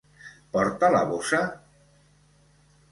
Porta la bossa?